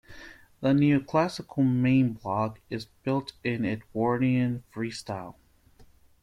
The neoclassical Main Block is built in Edwardian Free Style.